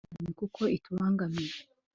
twibasire intungane kuko itubangamiye